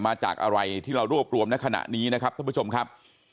มาจากอะไรที่เรารวบรวมในขณะนี้นะครับท่านผู้ชมครับ